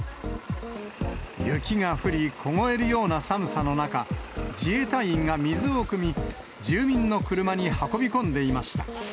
雪が降り、凍えるような寒さの中、自衛隊員が水をくみ、住民の車に運び込んでいました。